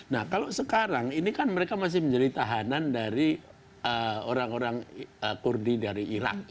nah kalau sekarang ini kan mereka masih menjadi tahanan dari orang orang kurdi dari irak